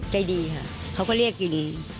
ใจดีค่ะเขาก็เรียกกิน